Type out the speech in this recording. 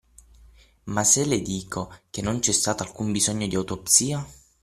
Ma se le dico che non c'è stato alcun bisogno di autopsia?